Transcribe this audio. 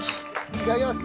いただきます！